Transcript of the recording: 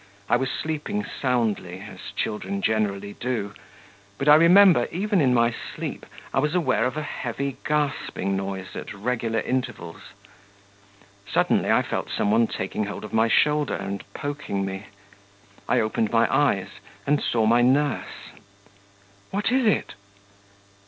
I was sleeping soundly, as children generally do; but I remember, even in my sleep, I was aware of a heavy gasping noise at regular intervals. Suddenly I felt some one taking hold of my shoulder and poking me. I opened my eyes and saw my nurse. 'What is it?'